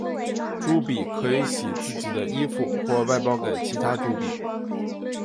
朱比可以洗自己的衣服或外包给其他朱比。